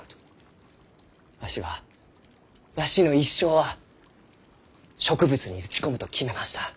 わしはわしの一生は植物に打ち込むと決めました。